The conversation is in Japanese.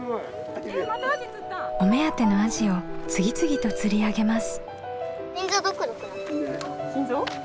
お目当てのアジを次々と釣り上げます。